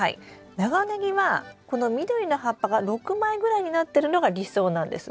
長ネギはこの緑の葉っぱが６枚ぐらいになってるのが理想なんです。